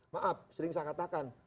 maaf sering saya katakan